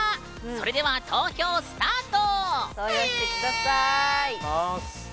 それでは投票スタート！